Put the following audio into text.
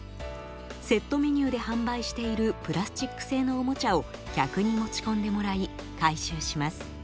セットメニューで販売しているプラスチック製のおもちゃを客に持ち込んでもらい回収します。